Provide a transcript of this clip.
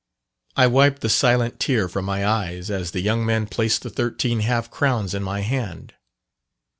I wiped the silent tear from my eyes as the young man placed the thirteen half crowns in my hand.